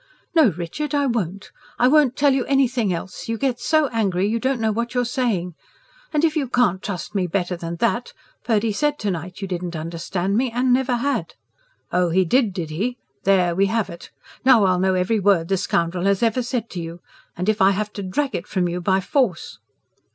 "No, Richard, I won't! I won't tell you anything else. You get so angry you don't know what you're saying. And if you can't trust me better than that Purdy said to night you didn't understand me... and never had." "Oh, he did, did he? There we have it! Now I'll know every word the scoundrel has ever said to you and if I have to drag it from you by force."